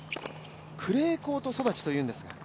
クレーコート育ちというんですが。